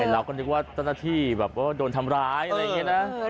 เราก็นึกว่าต้นที่โดนทำร้ายอะไรอย่างนี้นะ